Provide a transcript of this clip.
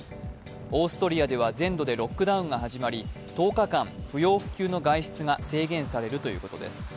オーストリアでは全土でロックダウンが始まり１０日間不要不急の外出が制限されということです。